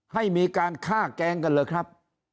ให้มีการฆ่าแกล้งกันเหรอครับ